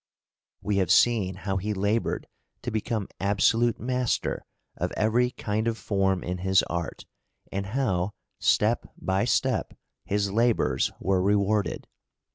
We have seen how he laboured to become absolute master of every kind of form in his art, and how, step by step, his labours were rewarded.